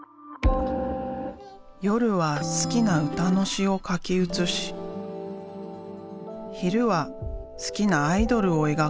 夜は好きな歌の詞を書き写し昼は好きなアイドルを描く。